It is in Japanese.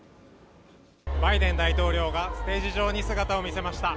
バイデン大統領がステージ上に姿を見せました。